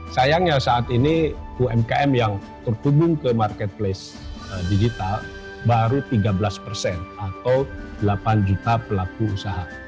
sayangnya saat ini umkm yang terhubung ke marketplace digital baru tiga belas persen atau delapan juta pelaku usaha